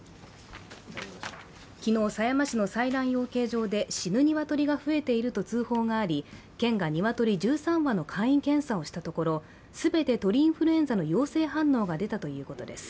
昨日、狭山市の採卵養鶏場で死ぬ鶏が増えていると通報があり県が鶏１３羽の簡易検査をしたところ全て鳥インフルエンザの陽性反応が出たということです。